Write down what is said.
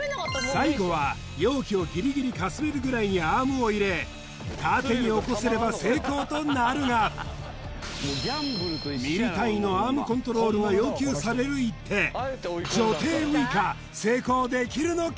最後は容器をギリギリかすめるぐらいにアームを入れ縦に起こせれば成功となるがミリ単位のアームコントロールが要求される一手女帝ウイカ成功できるのか？